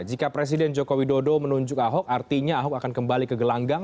jika presiden joko widodo menunjuk ahok artinya ahok akan kembali ke gelanggang